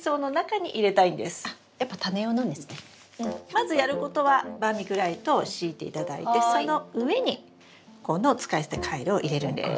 まずやることはバーミキュライトを敷いていただいてその上にこの使い捨てカイロを入れるんです。